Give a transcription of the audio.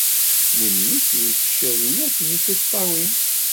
Memmi-s yettcabi-as deg tiṭṭawin.